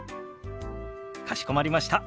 かしこまりました。